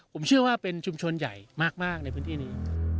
ผมเชื่อว่าเป็นชุมชนใหญ่มากในพื้นที่นี้